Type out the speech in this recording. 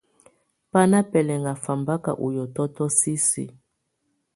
Bá ná bɛlɛŋá fábáka ú hiɔtɔtɔ sisiǝ.